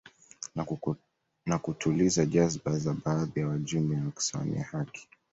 Na kutuliza jazba za baadhi ya wajumbe na kusimamia haki